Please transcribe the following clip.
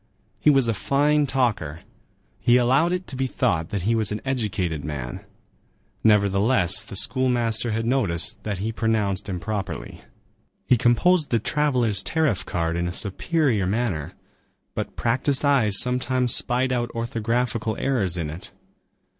He was a fine talker. He allowed it to be thought that he was an educated man. Nevertheless, the schoolmaster had noticed that he pronounced improperly.12 He composed the travellers' tariff card in a superior manner, but practised eyes sometimes spied out orthographical errors in it.